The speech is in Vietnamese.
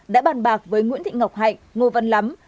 đã bàn bạc với nguyễn thị ngọc hạnh ngô văn lắm